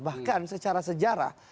bahkan secara sejarah